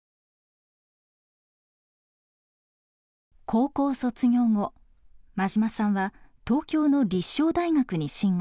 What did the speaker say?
高校卒業後馬島さんは東京の立正大学に進学。